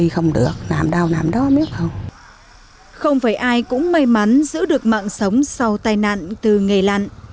không phải ai cũng may mắn giữ được mạng sống sau tai nạn từ nghề lặn